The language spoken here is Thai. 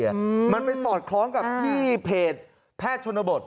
มันมาไปสอดคล้องกับให้ผิดพาชนบท